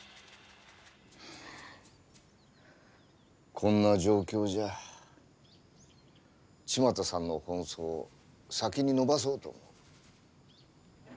こんな状況じゃ千万太さんの本葬先に延ばそうと思う。